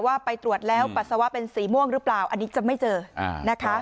ไปตรวจแล้วปัสสาวะเป็นสีม่วงหรือเปล่าอันนี้จะไม่เจอนะคะ